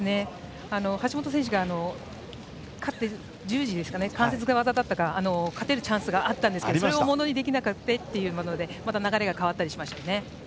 橋本選手が関節技だったか勝てるチャンスがあったんですがそれをものにできなくてというものでまた流れが変わったりしましたよね。